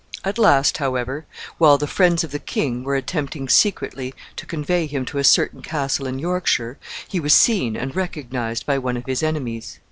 At last, however, while the friends of the king were attempting secretly to convey him to a certain castle in Yorkshire, he was seen and recognized by one of his enemies.